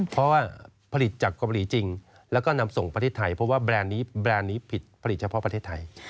เพราะว่าผลิตจากเกาหลีจริงแล้วก็นำส่งประเทศไทยเพราะว่าแบรนด์นี้แบรนด์นี้ผิดผลิตเฉพาะประเทศไทย